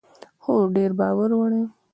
خر ډیر بار وړي